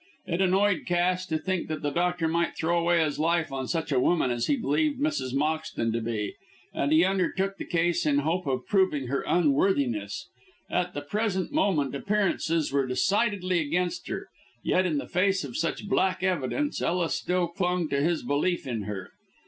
It annoyed Cass to think that the doctor might throw away his life on such a woman as he believed Mrs. Moxton to be; and he undertook the case in the hope of proving her unworthiness. At the present moment appearances were decidedly against her, yet in the face of such black evidence Ellis still clung to his belief in her.